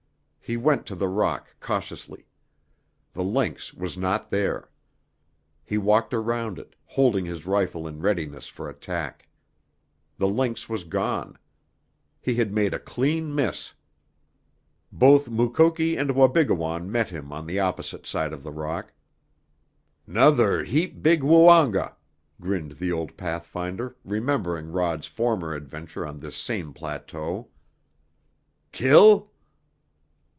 He went to the rock cautiously. The lynx was not there. He walked around it, holding his rifle in readiness for attack. The lynx was gone. He had made a clean miss! Both Mukoki and Wabigoon met him on the opposite side of the rock. "'Nother heap big Woonga," grinned the old pathfinder remembering Rod's former adventure on this same plateau. "Kill?"